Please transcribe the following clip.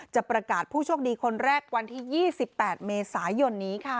จะประกาศผู้โชคดีคนแรกวันที่๒๘เมษายนนี้ค่ะ